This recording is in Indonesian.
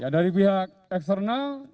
dari pihak eksternal